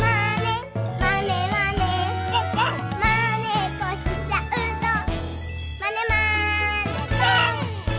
「まねっこしちゃうぞまねまねぽん！」